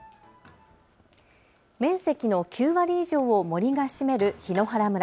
面積の９割以上を森が占める檜原村。